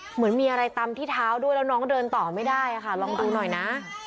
เหมือนมีอะไรตำที่เท้าด้วยแล้วน้องเดินต่อไม่ได้ค่ะลองดูหน่อยนะ